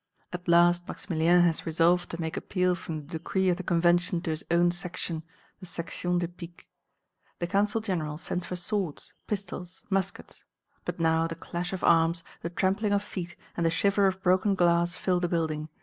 At last Maximilien has resolved to make appeal from the decree of the Convention to his own Section, the Section des Piques. The Council General sends for swords, pistols, muskets. But now the clash of arms, the trampling of feet and the shiver of broken glass fill the building.